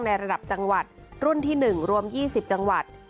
ระดับจังหวัดรุ่นที่๑รวม๒๐จังหวัด